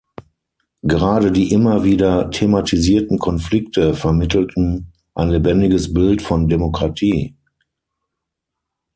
Gerade die immer wieder thematisierten Konflikte vermittelten ein lebendiges Bild von Demokratie.